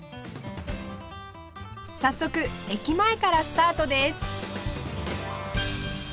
早速駅前からスタートです